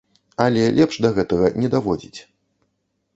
Але лепш да гэтага не даводзіць.